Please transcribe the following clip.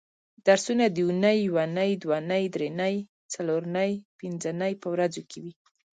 درسونه د اونۍ یونۍ دونۍ درېنۍ څلورنۍ پبنځنۍ په ورځو کې وي